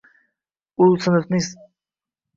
U sinfning tafovuti borligini sezganday bo‘ldi.